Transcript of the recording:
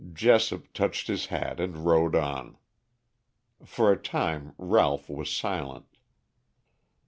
Jessop touched his hat and rode on. For a time Ralph was silent.